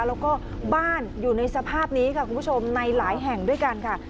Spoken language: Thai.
แล้วก็บ้านอยู่ในสภาพนี้ค่ะคุณผู้ชมในหลายแห่งด้วยกันค่ะ